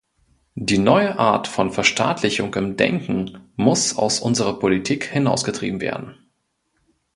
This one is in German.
Die neue Art von Verstaatlichung im Denken muss aus unserer Politik hinausgetrieben werden.